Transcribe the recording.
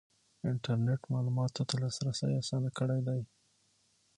انټرنیټ معلوماتو ته لاسرسی اسانه کړی دی.